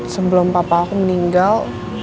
sebelum papa aku meninggal